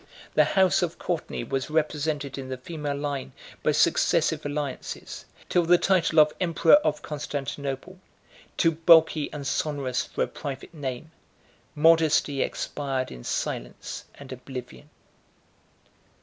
The house of Courtenay was represented in the female line by successive alliances, till the title of emperor of Constantinople, too bulky and sonorous for a private name, modestly expired in silence and oblivion.